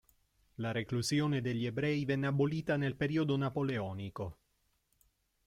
La reclusione degli ebrei venne abolita nel periodo napoleonico.